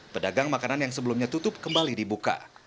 pedagang makanan yang sebelumnya tutup kembali dibuka